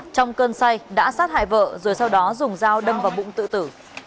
trong cơn say đã sát hại vợ rồi sau đó dùng dao đâm vào bụng tự tử